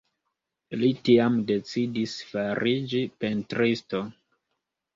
Li tiam decidis fariĝi pentristo.